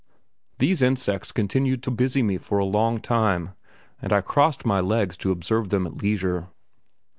These insects continued to busy me for a long time, and I crossed my legs to observe them at leisure.